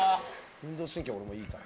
「運動神経は俺もいいから」